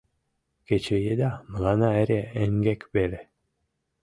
Кече еда мыланна эре эҥгек веле.